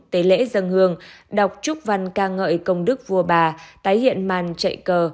tế lễ dân hương đọc chúc văn ca ngợi công đức vua bà tái hiện màn chạy cờ